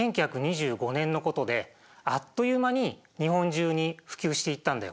１９２５年のことであっという間に日本中に普及していったんだよ。